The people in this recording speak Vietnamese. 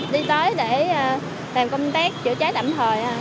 đi tới để làm công tác chữa cháy tạm thời